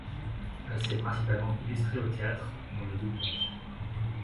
Elle s'est principalement illustrée au théâtre et dans le doublage.